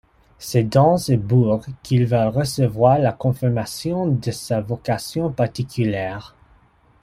C'est dans ce bourg qu'il va recevoir la confirmation de sa vocation particulière.